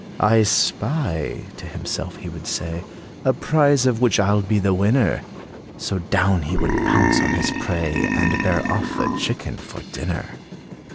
"I spy," to himself he would say, "A prize of which I 'll be the winner!" So down would he pounce on his prey, And bear off a chicken for dinner.